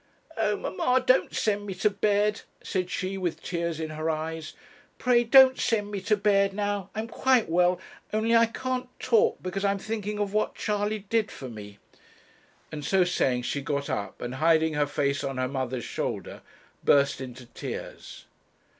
'Oh! mamma, don't send me to bed,' said she, with tears in her eyes. 'Pray don't send me to bed now; I'm quite well, only I can't talk because I'm thinking of what Charley did for me;' and so saying she got up, and, hiding her face on her mother's shoulder, burst into tears.